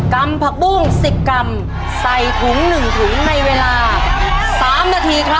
กำผักบุ้งสิกกำใส่ถุงหนึ่งถุงในเวลาสามนาทีครับ